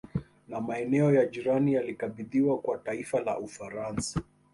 Na maeneo ya jirani yalikabidhiwa kwa taifa la Ufaransa